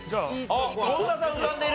権田さん浮かんでいる！